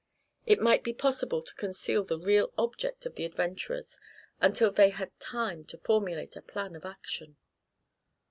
It might be possible to conceal the real object of the adventurers until they had time to formulate a plan of action.